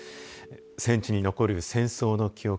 戦地に残る戦争の記憶。